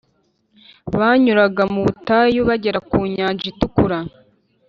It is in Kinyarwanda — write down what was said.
banyuraga mu butayu bagera ku Nyanja Itukura